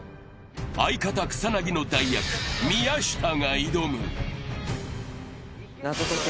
相方・草薙の代役、宮下が挑む。